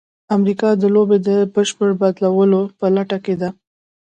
امریکا د لوبې د بشپړ بدلولو په لټه کې ده.